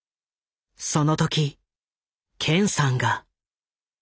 その時健さんが。